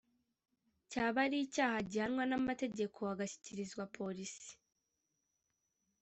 cyaba ari icyaha gihanwa n’amategeko agashyikirizwa Polisi